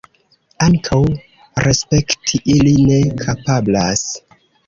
Ankaŭ respekti ili ne kapablas.